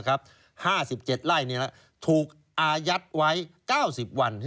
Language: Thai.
๕๗ไร่ถูกอายัดไว้๙๐วัน